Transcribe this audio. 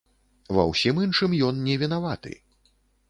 Ва ўсім іншым ён не вінаваты.